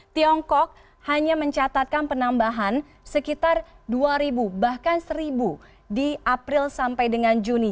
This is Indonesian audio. tiongkok hanya mencatatkan penambahan sekitar dua bahkan seribu di april sampai dengan juni